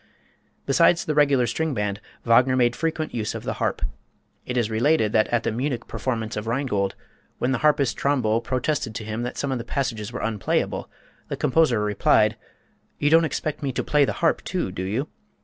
Besides the regular string band, Wagner made frequent use of the harp. It is related that at the Munich performance of "Rheingold," when the harpist Trombo protested to him that some of the passages were unplayable, the composer replied: "You don't expect me to play the harp, too, do you?